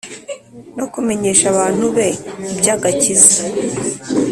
No kumenyesha abantu be iby’agakiza,